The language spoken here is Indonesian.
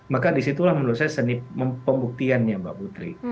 maka disitulah menurut saya seni pembuktiannya mbak putri